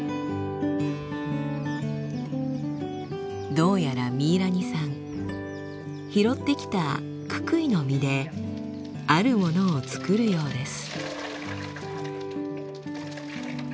どうやらミイラニさん拾ってきたククイの実であるものを作るようです。